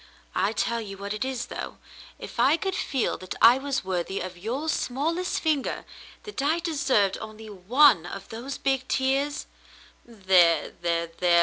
I tell you what it is, though, if I could feel that I was worthy of your smallest finger — that I deserved only one of those big tears — there — there — there